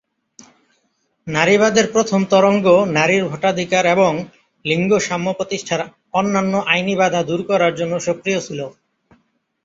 নারীবাদের প্রথম তরঙ্গ নারীর ভোটাধিকার এবং লিঙ্গ সাম্য প্রতিষ্ঠার অন্যান্য আইনি বাধা দূর করার জন্য সক্রিয় ছিল।